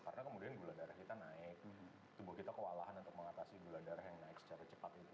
karena kemudian gula darah kita naik tubuh kita kewalahan untuk mengatasi gula darah yang naik secara cepat